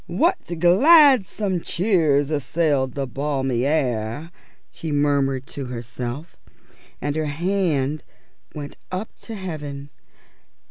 "What gladsome cheers assailed the balmy air!" she murmured to herself, and her hand when up to heaven.